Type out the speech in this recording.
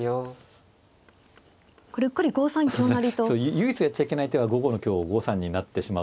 唯一やっちゃいけない手は５五の香を５三に成ってしまう